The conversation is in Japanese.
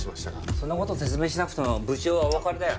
そんな事説明しなくても部長はおわかりだよ。